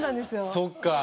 そっか。